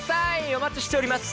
お待ちしております。